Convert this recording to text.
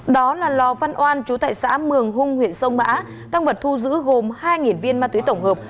đó là lò văn oan chú tại xã mường hung huyện sông mã tăng vật thu giữ gồm hai viên ma túy tổng hợp